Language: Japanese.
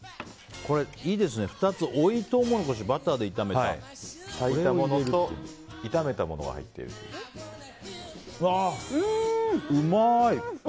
いいですね、２つ追いトウモロコシ炊いたものと炒めたものが入っているという。